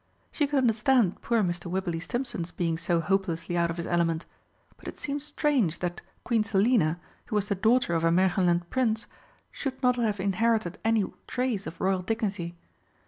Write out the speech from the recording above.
She could understand poor Mr. Wibberley Stimpson's being so hopelessly out of his element but it seemed strange that Queen Selina, who was the daughter of a Märchenland Prince, should not have inherited any trace of royal dignity.